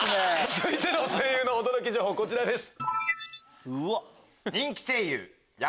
続いての声優の驚き情報こちらです。